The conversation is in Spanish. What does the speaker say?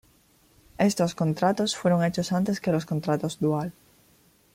Estos contratos fueron hechos antes que los Contratos Dual.